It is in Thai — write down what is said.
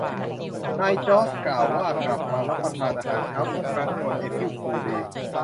นายจอร์จกล่าวว่ากลับมารับประทานอาหารเช้าอีกครั้งในวันเอพริลฟูลเดย์